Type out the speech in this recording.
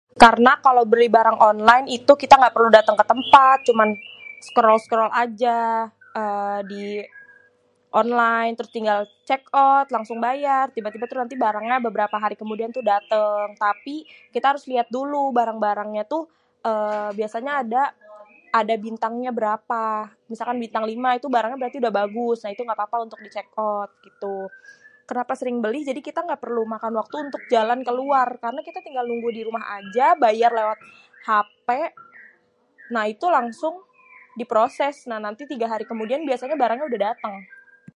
karna kalo beli barang online itu kita gaperlu daténg ketempat cuman skrol skrol aja ééé di online trus di cekot langsung bayar tiba-tiba tuh barangnya beberapa hari kemudian tuh daténg tapi kita harus liat dulu barang-barangnya tuh ééé biasanya ada, ada bintangnya berapah misalkan bintang lima itu barangnya berati udah bagus nah itu gapapa di cekot gitu kenapa sering beli jadi tuh kita ga makan waktu untuk jalan keluar terutama kita tinggal tunggu dirumah aja bayar lewat hape nah itu langsung diproses nah itu nanti tiga hari kemudian biasanya barangnya udéh daténg